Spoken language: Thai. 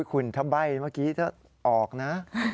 คุณทะใบ้เมื่อกี้จะออกนะ